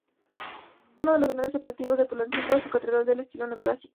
Uno de los grandes atractivos de Tulancingo es su catedral de estilo neoclásico.